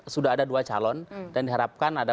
sudah ada dua calon dan diharapkan ada